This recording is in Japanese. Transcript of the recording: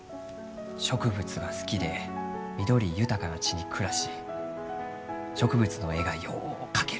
植物が好きで緑豊かな地に暮らし植物の絵がよう描ける。